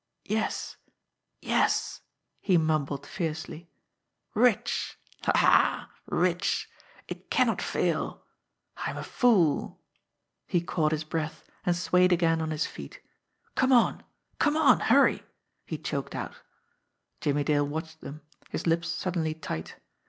"Yes, yes!" he mumbled fiercely. "Rich ha, ha! rich! It cannot fail; I am a fool" he caught his breath, and swayed again on his feet. "Come on ! Come on ! Hurry !" he choked out. Jimmie Dale watched them, his lips suddenly tight.